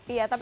iya tapi kan